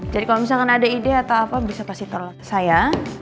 jadi kalau misalkan ada ide atau apa bisa kasih tau saya